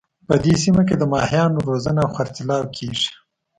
په دې سیمه کې د ماهیانو روزنه او خرڅلاو کیږي